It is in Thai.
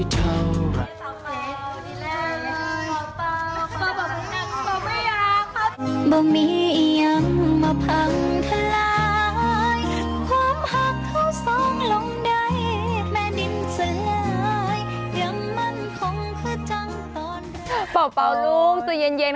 สุดท้ายก็ยังต้องทำใจเสมอ